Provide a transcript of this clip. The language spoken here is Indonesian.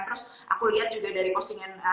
terus aku lihat juga dari postingan